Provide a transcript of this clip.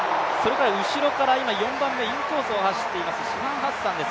後ろからインコースを走っているシファン・ハッサンです。